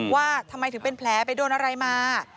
ว่าทำไมถึงเป็นแผลไปโดนอะไรมา